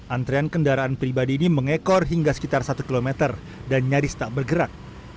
antrian kendaraan pribadi ini mengekor hingga sekitar satu km dan nyaris tak bergerak